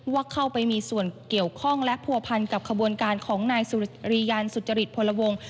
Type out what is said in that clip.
ว่าเข้าไปมีส่วนเกี่ยวข้องและผัวพันกับขบวนการของนายสุริยันสุจริตพลวง